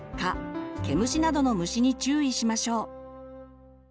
毛虫などの虫に注意しましょう。